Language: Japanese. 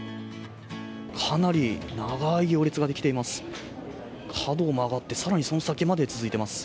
かなり長い行列ができています。